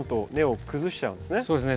そうですね。